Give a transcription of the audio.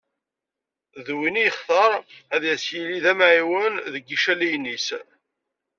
D win i yextar ad s-yili d amεiwen deg icaliyen-is.